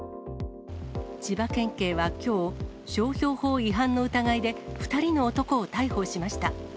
千葉県警はきょう、商標法違反の疑いで、２人の男を逮捕しました。